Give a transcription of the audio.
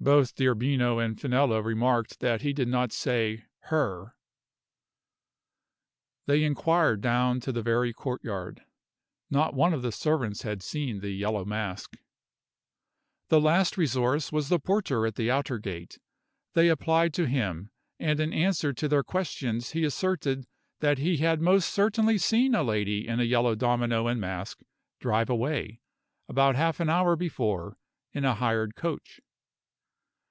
(Both D'Arbino and Finello remarked that he did not say her.) They inquired down to the very courtyard. Not one of the servants had seen the Yellow Mask. The last resource was the porter at the outer gate. They applied to him; and in answer to their questions he asserted that he had most certainly seen a lady in a yellow domino and mask drive away, about half an hour before, in a hired coach.